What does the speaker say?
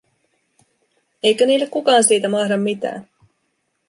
Eikö niille kukaan siitä mahda mitään?